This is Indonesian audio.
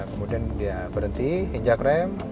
kemudian dia berhenti injak rem